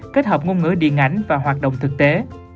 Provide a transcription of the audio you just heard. kết hợp ngôn ngữ điện ảnh và hoạt động thực tế